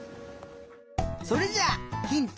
それじゃあヒント